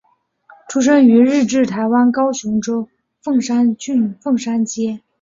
出生于日治台湾高雄州凤山郡凤山街。